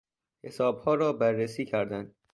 حسابها را بررسی کردن